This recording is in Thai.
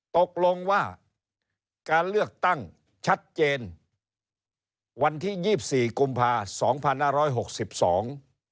ตกลงว่าการเลือกตั้งชัดเจนวันที่๒๔กุมภาคม๒๑๖๒